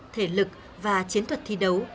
thể lực và chiến thuật thi đấu